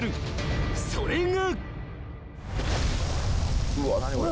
［それが］